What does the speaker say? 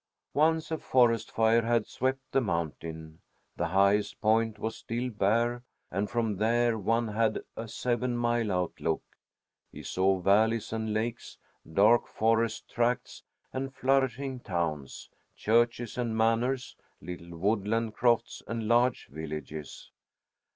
Once a forest fire had swept the mountain. The highest point was still bare, and from there one had a seven mile outlook. He saw valleys and lakes, dark forest tracts and flourishing towns, churches and manors, little woodland crofts and large villages.